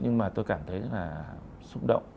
nhưng mà tôi cảm thấy là xúc động